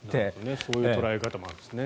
そういう捉え方もあるんですね。